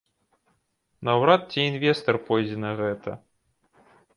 Наўрад ці інвестар пойдзе на гэта.